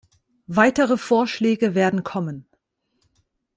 Weitere Vorschläge werden kommen.